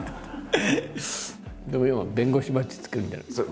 でも今は弁護士バッジつけるみたいな。